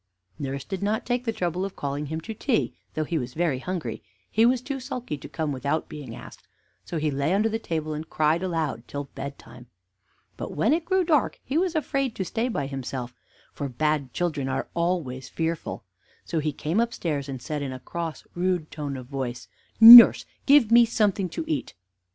Nurse did not take the trouble of calling him to tea; and, though he was very hungry, he was too sulky to come without being asked; so he lay under the table, and cried aloud till bedtime. But when it grew dark, he was afraid to stay by himself, for bad children are always fearful; so he came upstairs and said in a cross, rude tone of voice: "Nurse, give me something to eat."